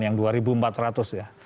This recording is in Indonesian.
yang dua ribu empat ratus ya